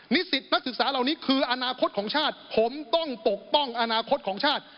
นิสิตนักศึกษาเหล่านี้คืออนาคตของชาติผมต้องปกป้องอนาคตของชาติ